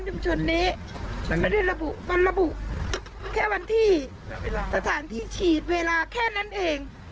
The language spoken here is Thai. ชุมชนนี้ไม่ได้ระบุมันระบุแค่วันที่สถานที่ฉีดเวลาแค่นั้นเอง